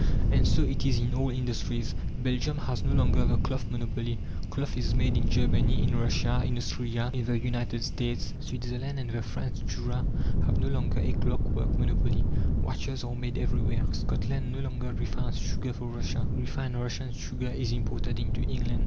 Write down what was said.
And so it is in all industries. Belgium has no longer the cloth monopoly; cloth is made in Germany, in Russia, in Austria, in the United States. Switzerland and the French Jura have no longer a clockwork monopoly; watches are made everywhere. Scotland no longer refines sugar for Russia: refined Russian sugar is imported into England.